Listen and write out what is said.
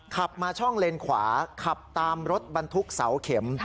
ขับมาช่องเลนขวาขับตามรถบรรทุกเสาเข็ม